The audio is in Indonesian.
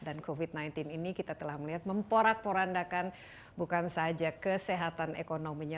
dan covid sembilan belas ini kita telah melihat memporak porandakan bukan saja kesehatan ekonominya